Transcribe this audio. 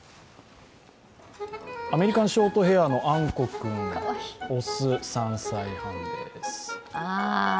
アメリカンショートヘアのあんこ君、雄、３歳半です。